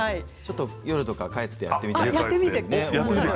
ちょっと夜とか帰ってやってみたい。